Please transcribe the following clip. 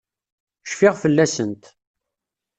Cfiɣ fell-asent.